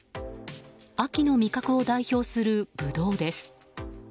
秋の味覚を代表するブドウです。